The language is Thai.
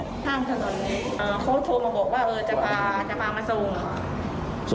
ทางถนนนี้เขาโทรมาบอกว่าเออจะพามันมาทรง